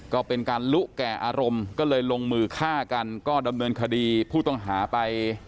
ก็เป็นการลุแก่อารมณ์ก็เลยลงมือฆ่ากันก็ดำเนินคดีผู้ต้องหาไป